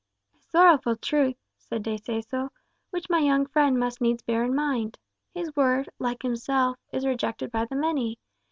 "A sorrowful truth," said De Seso, "which my young friend must needs bear in mind. His Word, like himself, is rejected by the many.